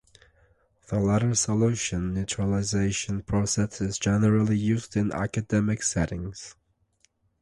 The latter solution neutralization process is generally used in academic settings.